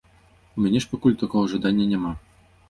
У мяне ж пакуль такога жадання няма.